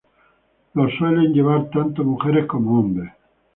Los suelen llevar tanto mujeres como hombres.